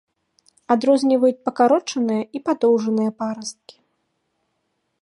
Адрозніваюць пакарочаныя і падоўжаныя парасткі.